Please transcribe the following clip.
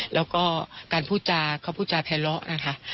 แล้วก็การพูดจากเขาพูดจากแพลละนะค่ะ